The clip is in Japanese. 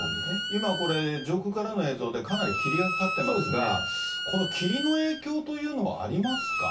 今これ、上空からの映像で、かなり霧がかかってますが、この霧の影響というのはありますか。